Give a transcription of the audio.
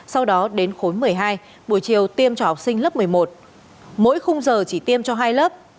sau đó đến khối một mươi hai buổi chiều tiêm cho học sinh lớp một mươi một mỗi khung giờ chỉ tiêm cho hai lớp